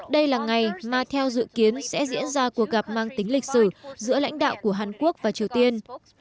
đây là ngày mà theo dự kiến sẽ diễn ra cuộc gặp mang tính lịch sử giữa lãnh đạo của hàn quốc và triều tiên